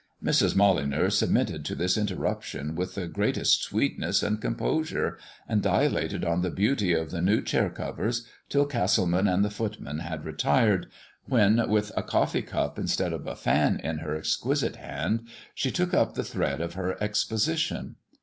Mrs. Molyneux submitted to this interruption with the greatest sweetness and composure, and dilated on the beauty of the new chair covers till Castleman and the footman had retired, when, with a coffee cup instead of a fan in her exquisite hand, she took up the thread of her exposition.